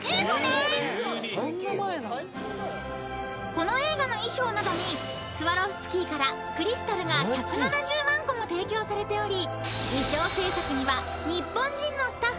［この映画の衣装などにスワロフスキーからクリスタルが１７０万個も提供されており］